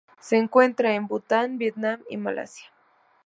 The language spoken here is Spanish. Se encuentra en Bután, Vietnam y Malasia.